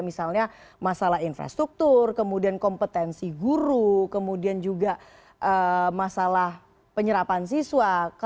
misalnya masalah infrastruktur kemudian kompetensi guru kemudian juga masalah penyerapan siswa